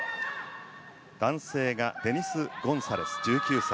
男性がデニス・ゴンサレス、１９歳。